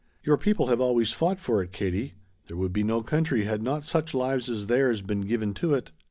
Your people have always fought for it, Katie. There would be no country had not such lives as theirs been given to it."